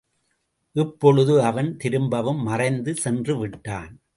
இப்பொழுது அவன் திரும்பவும் மறைந்து சென்றுவிட்டான்.